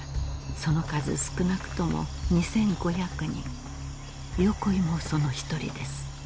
その数少なくとも２５００人横井もその一人です